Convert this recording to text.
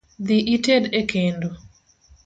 Dhii ited e kendo .